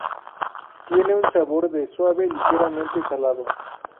Tiene un sabor de suave ligeramente salado.